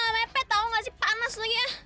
lepet tau gak sih panas lagi ya